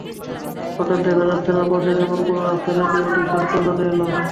হঠাৎ দেখা যাচ্ছে না—পাশের এমন কোনো রাস্তা থেকে একটি শব্দ কানে এল।